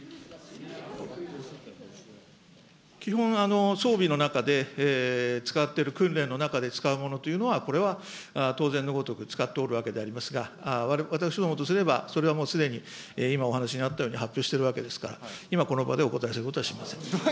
基本、装備の中で使っている、訓練の中で使うものというのは、これは当然のごとく使っておるわけでございますが、私どもとすれば、それはもうすでに今お話にあったように発表してるわけですから、今この場でお答えすることはしません。